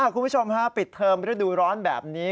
คุณผู้ชมฮะปิดเทอมฤดูร้อนแบบนี้